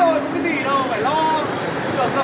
được rồi gặp cái mục